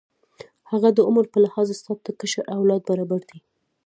هغه د عمر په لحاظ ستا د کشر اولاد برابر دی.